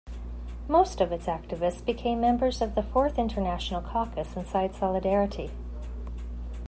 Most of its activists became members of the Fourth International Caucus inside Solidarity.